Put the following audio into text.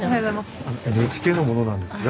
ＮＨＫの者なんですが